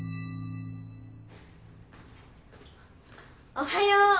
・おはよう！